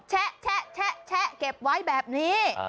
แชะแชะแชะเก็บไว้แบบนี้